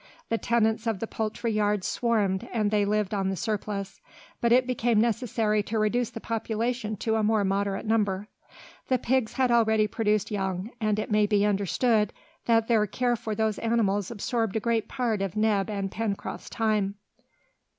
The tenants of the poultry yard swarmed, and they lived on the surplus, but it became necessary to reduce the population to a more moderate number. The pigs had already produced young, and it may be understood that their care for those animals absorbed a great part of Neb and Pencroft's time.